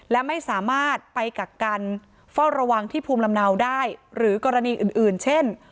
และไม่สามารถไปกักกันเฝ้าระวังที่ภูมิลำเนาได้หรือกรณีอื่นเช่น